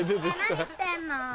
何してんの？